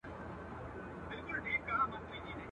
ویل تم سه چي بېړۍ دي را رسیږي.